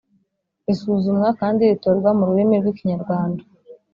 risuzumwa kandi ritorwa mu rurimi rw’ikinyarwanda.